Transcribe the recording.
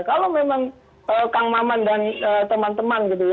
kalau memang kang maman dan teman teman